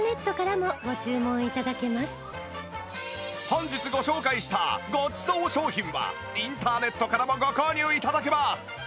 本日ご紹介したごちそう商品はインターネットからもご購入頂けます